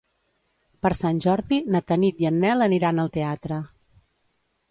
Per Sant Jordi na Tanit i en Nel aniran al teatre.